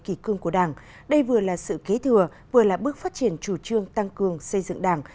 kỳ cương của đảng đây vừa là sự kế thừa vừa là bước phát triển chủ trương tăng cường xây dựng đảng